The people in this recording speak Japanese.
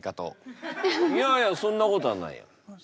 いやいやそんなことはないよ。